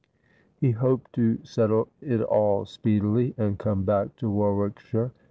He hoped to settle it all speedily, and come back to Warwickshire.